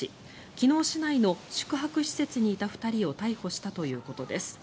昨日、市内の宿泊施設にいた２人を逮捕したということです。